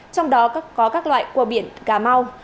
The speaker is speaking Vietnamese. trong đó có các loại quà biển gà mau